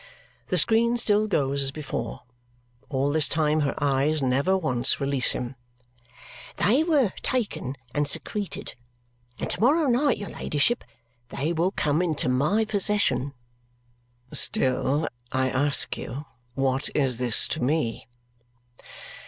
The screen still goes, as before. All this time her eyes never once release him. "They were taken and secreted. And to morrow night, your ladyship, they will come into my possession." "Still I ask you, what is this to me?"